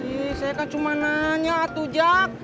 ih saya kan cuma nanya tuh jak